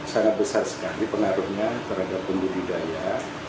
sangat besar sekali pengaruhnya terhadap pembudidaya